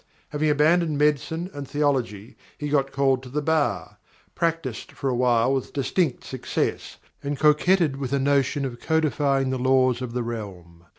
Having abandoned medicine and theology he got called to the Bar, practised for a while with distinct success, and coquetted with a notion of codifying the laws of the realm.